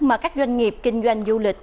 mà các doanh nghiệp kinh doanh du lịch